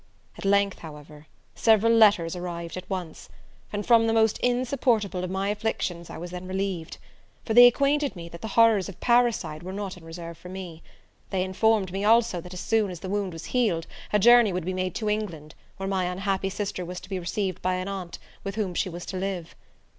At length, however, several letters arrived at once, and from the most insupportable of my afflictions I was then relieved; for they acquainted me that the horrors of parricide were not in reserve for me. They informed me also, that as soon as the wound was healed, a journey would be made to England, where my unhappy sister was to be received by an aunt, with whom she was to live.